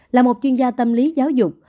là một chuyên gia tâm lý giáo dục